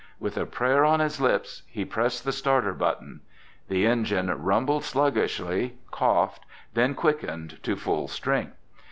With a prayer on his lips, he pressed the starter button. The engine rumbled sluggishly, coughed, then quickened to full strength.